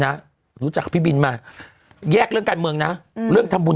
รู้จักพี่บินมาแยกเรื่องการเมืองนะเรื่องทำบุญ